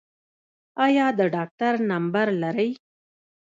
ایا د ډاکټر نمبر لرئ؟